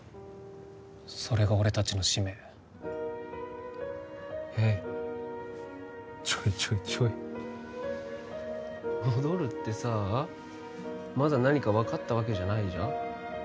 それが俺達の使命へいちょいちょいちょい戻るってさあまだ何か分かったわけじゃないじゃん